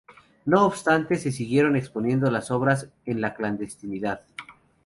No obstante, se siguieron exponiendo las obras en la clandestinidad.